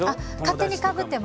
勝手にかぶってる！